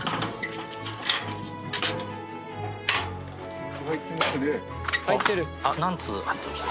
結構入ってますね。